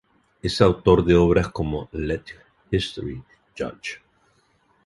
Es autor de obras como "Let History Judge.